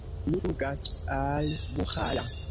Ni flugas al Buĥara.